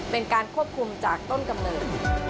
เป็นการควบคุมจากต้นกำเนิด